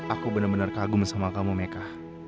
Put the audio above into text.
aku bener bener kagum sama kamu meka